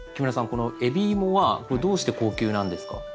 この海老芋はこれどうして高級なんですか？